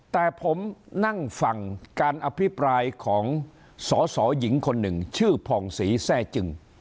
แต่ผมนั่งฟังการอภิปรายของสอสอหญิงคนหนึ่งชื่อผ่องศรีแทร่จึง